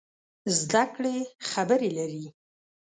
زده کړې خبرې لري.